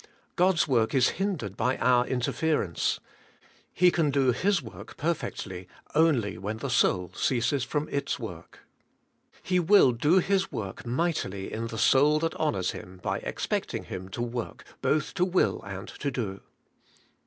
God's work is hindered by our interference. He can do His work perfectly only when the soul ceases from its work. He will do IN STILLNESS OF SOUL. 141 His work mightily in the soul that honours Him by expecting Him to work both to Avill and to do.